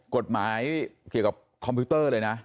กฎหมายเกี่ยวกับคอมพิวเตอร์เลยนะ